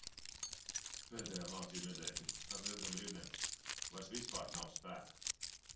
Pēdējā mācību nedēļa, tad Lieldienu brīvdienas. Vairs vispār nav spēka.